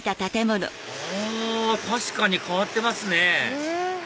あ確かに変わってますね